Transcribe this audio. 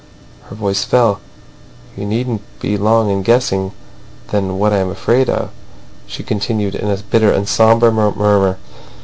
Her voice fell. "You needn't be long in guessing then what I am afraid of," she continued, in a bitter and sombre murmur.